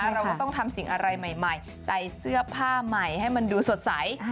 เราก็ต้องทำสิ่งอะไรใหม่ใส่เสื้อผ้าใหม่ให้มันดูสดใส